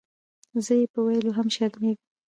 زۀ یې پۀ ویلو هم شرمېږم.